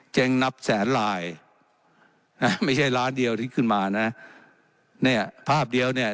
เจ๊งนับแสนลายนะไม่ใช่ล้านเดียวที่ขึ้นมานะเนี่ยภาพเดียวเนี่ย